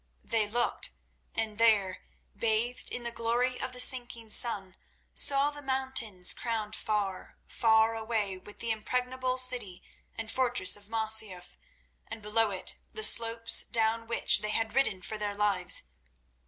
They looked, and there, bathed in the glory of the sinking sun, saw the mountains crowned far, far away with the impregnable city and fortress of Masyaf, and below it the slopes down which they had ridden for their lives.